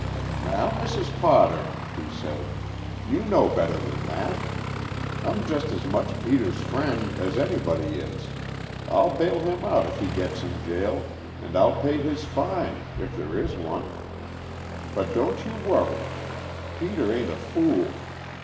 "Now, Mrs. Potter," he said, "you know better than that. I'm just as much Peter's friend as anybody is. I'll bail him out if he gets in jail, and I'll pay his fine, if there is one. But don't you worry. Peter ain't a fool.